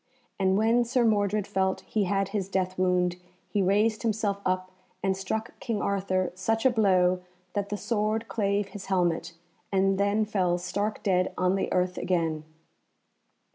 And when Sir Mordred felt he had his death wound, he raised himself up and struck King Arthur such a blow that the sword clave his helmet, and then fell stark dead on the earth again.